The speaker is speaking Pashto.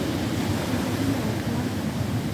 ښځې هیله وکړه